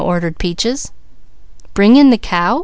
ordered Peaches. "Bring in the cow?"